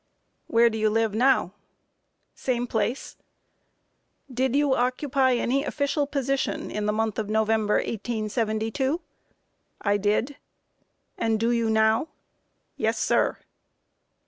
Q. Where do you live now? A. Same place. Q. Did you occupy any official position in the month of November, 1872? A. I did. Q. And do you now? A. Yes, sir.